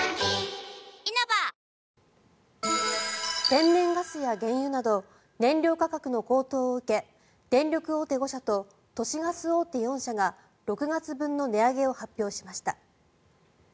天然ガスや原油など燃料価格の高騰を受け電力大手５社と都市ガス大手４社が６月分の値上げを発表しました。